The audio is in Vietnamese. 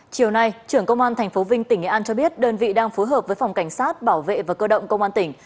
chiều nay trưởng công an tp vinh tỉnh nghệ an cho biết đơn vị đang phối hợp với phòng cảnh sát bảo vệ và cơ động công an tỉnh